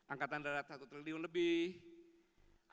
angkatan darat satu triliun lebih